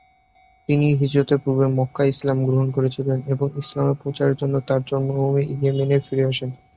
তিনি হিজরতের পূর্বে মক্কায় ইসলাম গ্রহণ করেছিলেন এবং ইসলাম প্রচারের জন্য তার জন্মভূমি ইয়েমেনে ফিরে আসেন।